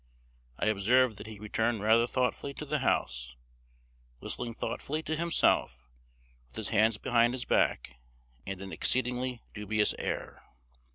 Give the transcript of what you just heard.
I observed that he returned rather thoughtfully to the house; whistling thoughtfully to himself, with his hands behind his back, and an exceedingly dubious air.